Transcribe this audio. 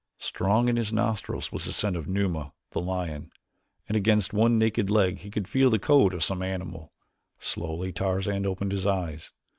Strong in his nostrils was the scent of Numa, the lion, and against one naked leg he could feel the coat of some animal. Slowly Tarzan opened his eyes.